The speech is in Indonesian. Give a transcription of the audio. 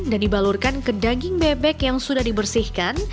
dan dibalurkan ke daging bebek yang sudah dibersihkan